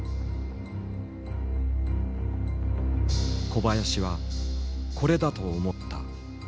小林はこれだと思った。